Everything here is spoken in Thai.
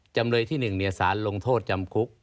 จำเลยที่หนึ่งเนียร์สารลงโทษจำคุก